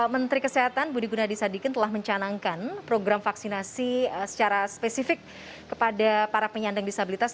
menteri kesehatan budi gunadisadikin telah mencanangkan program vaksinasi secara spesifik kepada para penyandang disabilitas